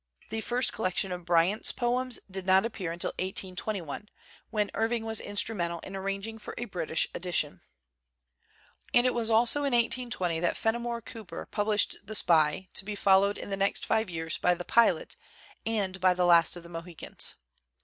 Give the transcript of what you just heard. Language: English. The first collection of Bry ant's poems did not appear until 1821, when Irving was instrumental in arranging for a THE CENTENARY OF A QUESTION British edition. And it was also in 1820 that Fenimore Cooper published the 'Spy/ to be fol lowed in the next five years by the ' Pilot' and by the 'Last of the Mohicans.'